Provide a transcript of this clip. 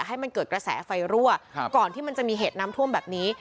ให้มันเกิดกระแสไฟรั่วก่อนที่มันจะมีเหตุน้ำท่วมแบบนี้